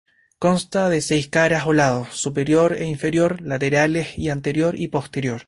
Consta de seis caras o lados: superior e inferior, laterales y anterior y posterior.